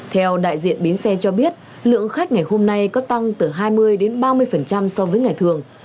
theo đại diện bến xe cho biết lượng khách ngày hôm nay có tăng từ hai mươi ba mươi so với ngày thường